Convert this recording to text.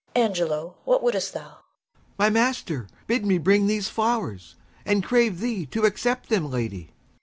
] Angelo, what wouldst thou? Page. My master bid me bring these flowers and crave thee to accept them lady.